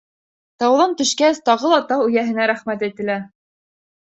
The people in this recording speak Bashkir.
Тауҙан төшкәс, тағы ла тау эйәһенә рәхмәт әйтелә.